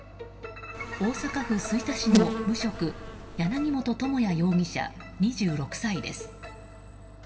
大阪府吹田市の無職柳本智也容疑者、２６歳です。